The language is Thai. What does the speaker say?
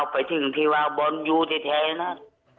ไปถึงที่วางบนอยู่ที่แท้นั้น